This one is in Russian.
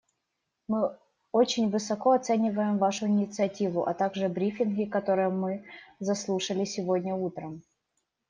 Мы очень высоко оцениваем Вашу инициативу, а также брифинги, которые мы заслушали сегодня утром.